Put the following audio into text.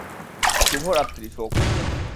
শুভ রাত্রি, সোকস।